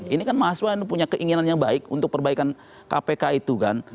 ini kan mahasiswa punya keinginan yang baik untuk perbaikan kpk itu kan